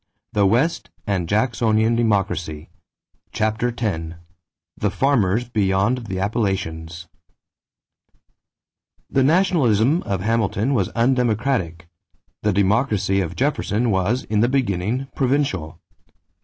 THE WEST AND JACKSONIAN DEMOCRACY CHAPTER X THE FARMERS BEYOND THE APPALACHIANS The nationalism of Hamilton was undemocratic. The democracy of Jefferson was, in the beginning, provincial.